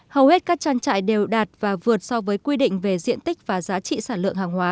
hầu hết các trang trại đều đạt và vượt so với quy định về diện tích và giá trị sản lượng hàng hóa